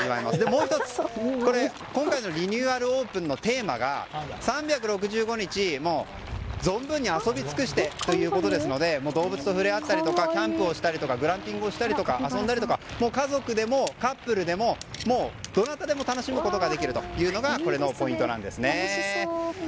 もう１つ、今回のリニューアルオープンのテーマが３６５日、存分に遊びつくしてということで動物と触れ合ったりとかキャンプをしたりとかグランピングをしたりとか遊んだりとか家族でもカップルでもどなたでも楽しむことができるのが、ポイントなんです。